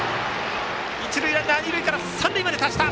一塁ランナー、三塁まで達した。